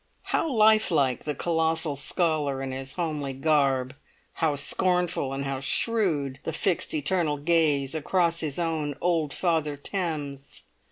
How lifelike the colossal scholar in his homely garb! How scornful and how shrewd the fixed eternal gaze across his own old Father Thames!